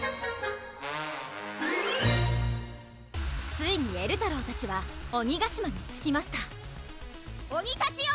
ついにえるたろうたちは鬼ヶ島に着きました鬼たちよ！